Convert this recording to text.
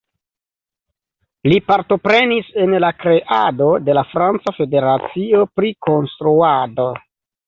Li partoprenis en la kreado de la franca Federacio pri Konstruado.